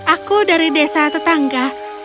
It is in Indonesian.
aku dari desa tetangga